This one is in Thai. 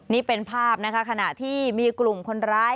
นี่เป็นภาพนะคะขณะที่มีกลุ่มคนร้าย